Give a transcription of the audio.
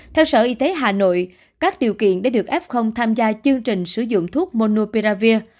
theo sở y tế hà nội các điều kiện để được f tham gia chương trình sử dụng thuốc monoperavir